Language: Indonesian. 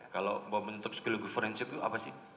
kalau toksikologi forensik itu apa sih